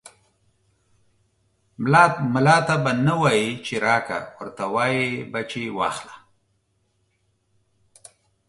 ملا ته به نه وايي چې راکه ، ورته وايې به چې واخله.